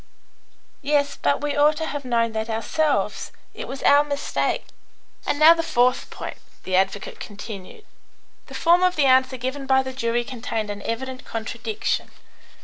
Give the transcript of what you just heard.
"Yes; but we ought to have known that ourselves. It was our mistake." "And now the fourth point," the advocate continued. "The form of the answer given by the jury contained an evident contradiction.